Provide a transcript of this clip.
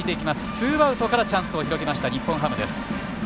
ツーアウトからチャンスを広げました日本ハム。